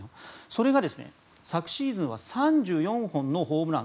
それが昨シーズンは３４本のホームラン。